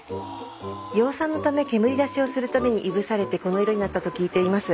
養蚕のため煙出しをするたびにいぶされてこの色になったと聞いています。